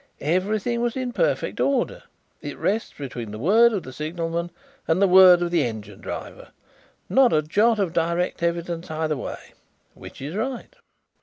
Everything was in perfect order. It rests between the word of the signalman and the word of the engine driver not a jot of direct evidence either way. Which is right?"